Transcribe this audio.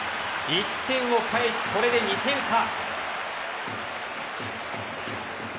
１点を返し、これで２点差。